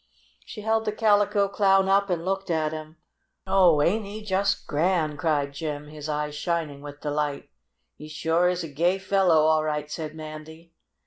She held the Calico Clown up and looked at him. "Oh, ain't he jest grand!" cried Jim, his eyes shining with delight. "He suah is a gay fellow all right," said Mandy.